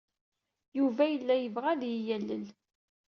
Yuba yella yebɣa ad iyi-yalel.